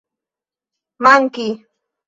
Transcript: manki